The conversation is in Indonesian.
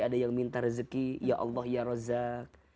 ada yang minta rezeki ya allah ya rozak